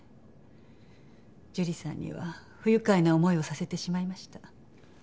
樹里さんには不愉快な思いをさせてしまいました。